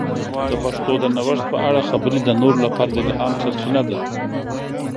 د پښتو د نوښت په اړه خبرې د نورو لپاره د الهام سرچینه ده.